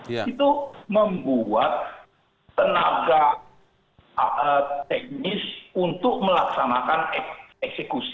itu membuat tenaga teknis untuk melaksanakan eksekusi